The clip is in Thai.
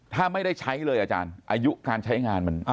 ถ้าไม่ได้ใช้เลยอาจารย์อายุการใช้งานมัน